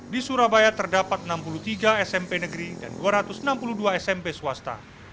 di surabaya terdapat enam puluh tiga smp negeri dan dua ratus enam puluh dua smp swasta